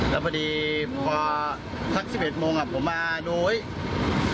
แล้วพอดีพอสักสิบเอ็ดโมงอ่ะผมมาดูเฮ้ย